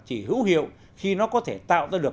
chỉ hữu hiệu khi nó có thể tạo ra được